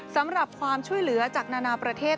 สำหรับความช่วยเหลือจากนานาประเทศ